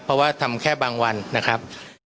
เพราะว่าทำแค่บางวันนะครับ